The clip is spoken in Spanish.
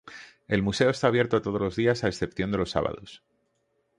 El museo está abierto todos los días a excepción de los sábados.